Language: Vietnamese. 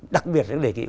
đặc biệt những đề nghị